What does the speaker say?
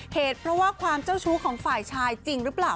เหตุเพราะว่าความเจ้าชู้ของฝ่ายชายจริงหรือเปล่า